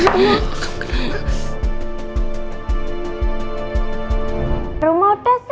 ya allah kamu kenapa